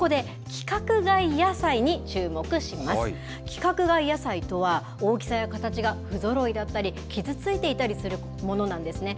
規格外野菜とは、大きさや形が不ぞろいだったり、傷ついていたりするものなんですね。